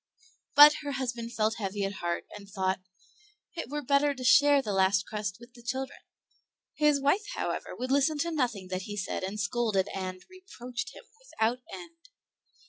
But her husband felt heavy at heart, and thought, "It were better to share the last crust with the children." His wife, however, would listen to nothing that he said and scolded and, reproached him without end.